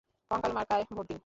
কঙ্কাল মার্কায় ভোট দিন।